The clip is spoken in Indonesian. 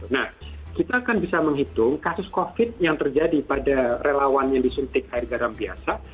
nah kita akan bisa menghitung kasus covid yang terjadi pada relawan yang disuntik air garam biasa